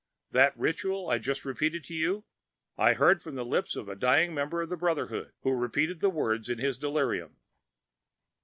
That ritual I just repeated to you, I heard from the lips of a dying member of the Brotherhood, who repeated the words in his delirium."